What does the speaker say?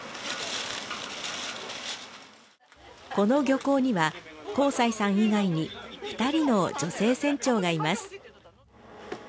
この漁港には幸才さん以外に２人の女性船長がいます。